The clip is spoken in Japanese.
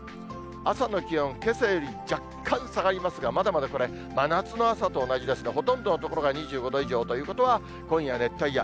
朝の気温、けさより若干下がりますが、まだまだこれ、真夏の暑さと同じですから、ほとんどの所が２５度以上ということは、今夜、熱帯夜。